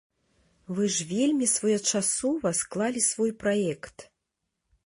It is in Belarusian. Вы ж вельмі своечасова склалі свой праект!